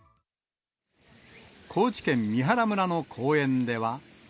高知県三原村の公園では。